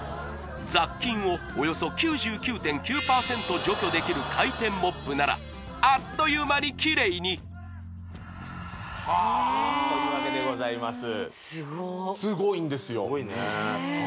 雑菌をおよそ９９．９％除去できる回転モップならあっという間にきれいにはあというわけでございますスゴいんですよへえ